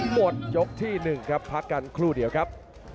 หมดยกที่๑ครับพักกันครู่เดียวครับ